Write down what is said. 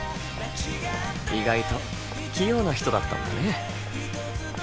意外と器用な人だったんだね